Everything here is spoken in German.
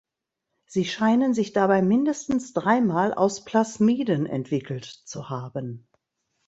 Sie scheinen sich dabei mindestens dreimal aus Plasmiden entwickelt zu haben.